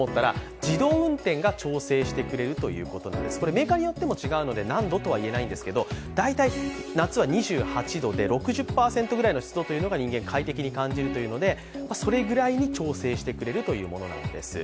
メーカーによっても違うので何度とはいえないんですけど大体夏は２８度で６０％ぐらいの湿度が人間、快適に感じるということなので、それぐらいに調整してくれるというものなんです。